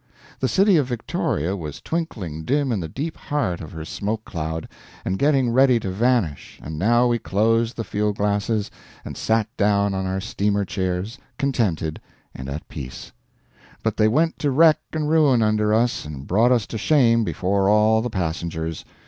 The city of Victoria was twinkling dim in the deep heart of her smoke cloud, and getting ready to vanish and now we closed the field glasses and sat down on our steamer chairs contented and at peace. But they went to wreck and ruin under us and brought us to shame before all the passengers.